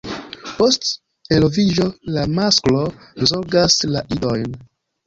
Post eloviĝo la masklo zorgas la idojn.